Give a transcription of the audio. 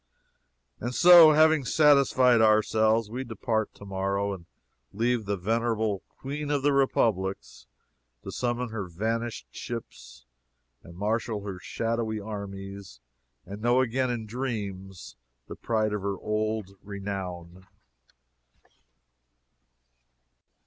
And so, having satisfied ourselves, we depart to morrow, and leave the venerable Queen of the Republics to summon her vanished ships, and marshal her shadowy armies, and know again in dreams the pride of her old renown.